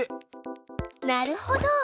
なるほど！